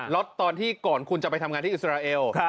ตอนที่ก่อนคุณจะไปทำงานที่อิสราเอล